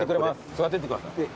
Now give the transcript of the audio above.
座っててください。